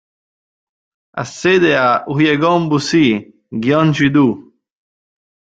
Ha sede a Uijeongbu-Si, Gyeonggi-do.